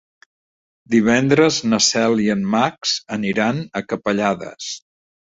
Divendres na Cel i en Max aniran a Capellades.